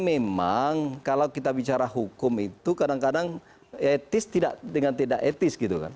memang kalau kita bicara hukum itu kadang kadang etis dengan tidak etis gitu kan